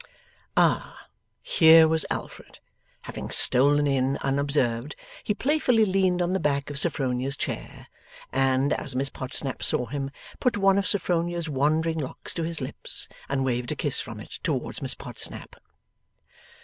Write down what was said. Ah! here was Alfred. Having stolen in unobserved, he playfully leaned on the back of Sophronia's chair, and, as Miss Podsnap saw him, put one of Sophronia's wandering locks to his lips, and waved a kiss from it towards Miss Podsnap.